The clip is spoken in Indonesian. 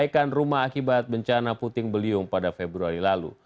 dan membaikan rumah akibat bencana puting beliung pada februari lalu